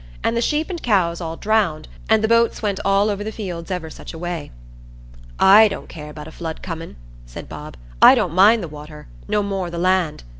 And the sheep and cows all drowned, and the boats went all over the fields ever such a way." "I don't care about a flood comin'," said Bob; "I don't mind the water, no more nor the land.